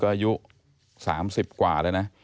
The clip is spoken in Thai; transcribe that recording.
ก็อายุ๓๐กว่า